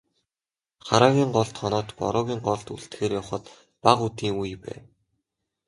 Хараагийн голд хоноод, Бороогийн голд үлдэхээр явахад бага үдийн үе байв.